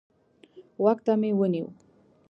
غوږ ته يې ونيو.